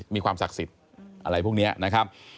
มีความศักดิ์สิทธิ์อะไรพวกนี้นะครับ